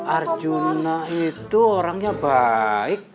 arjuna itu orangnya baik